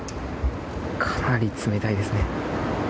かなり冷たいですね。